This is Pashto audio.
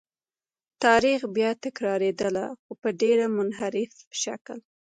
تاریخ بیا تکرارېده خو په ډېر منحرف شکل.